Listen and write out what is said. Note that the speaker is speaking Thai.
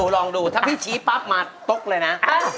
ลองดูถ้าพี่ชี้ปั๊บมาตกเลยนะ